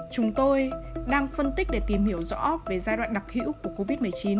chúng tôi đang phân tích để tìm hiểu rõ về giai đoạn đặc hiệu covid một mươi chín